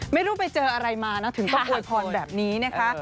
ไม่รู้ไปเจออะไรมานะถึงต้องอวยพรแบบนี้นะคะ